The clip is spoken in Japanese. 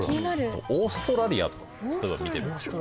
オーストラリアとか例えば見てみましょう。